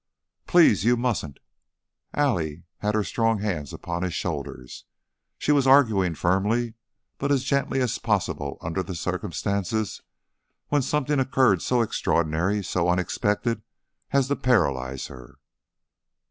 "Please! You mustn't " Allie had her strong hands upon his shoulders; she was arguing firmly but as gently as possible under the circumstances, when something occurred so extraordinary, so unexpected, as to paralyze her.